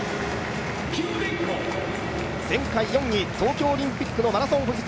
前回４位、東京オリンピックのマラソン補欠。